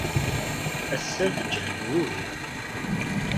Ass-a, tjehded ugar.